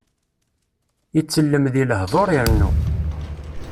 Itellem di lehduṛ, irennu.